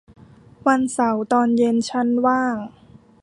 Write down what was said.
วันเสาร์ตอนเย็นฉันว่าง